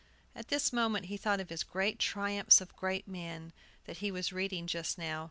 At this moment he thought of his "Great Triumphs of Great Men," that he was reading just now.